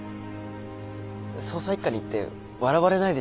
捜査一課に行って笑われないでしょうか？